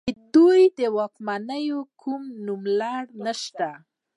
د دوی د واکمنو کوم نوملړ نشته